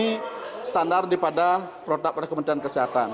ini adalah standar daripada protap oleh kementerian kesehatan